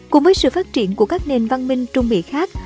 cùng với sự phát triển của các nền văn minh trung mỹ khác